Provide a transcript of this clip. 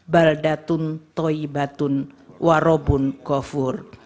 bal datun toyi batun warobun gofur